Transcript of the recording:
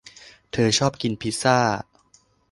เธอชอบกินพิซซ่า